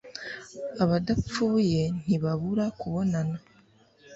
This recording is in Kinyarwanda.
abadapfuye ntibabura kubonana